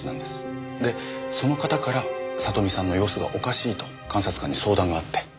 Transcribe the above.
でその方から聡美さんの様子がおかしいと監察官に相談があって。